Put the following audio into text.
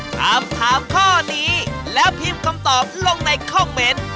ถามถามข้อนี้แล้วพิมพ์คำตอบลงในคอมเมนต์